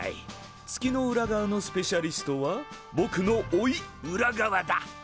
月の裏側のスペシャリストはぼくのおいウラガワだ！